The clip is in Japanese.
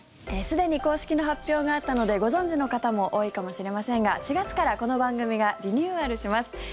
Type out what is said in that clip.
すでに公式の発表があったのでご存じの方も多いかもしれませんが４月からこの番組がリニューアルします。